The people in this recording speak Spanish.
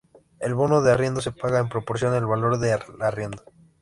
El bono de arriendo se paga en proporción al valor del arriendo.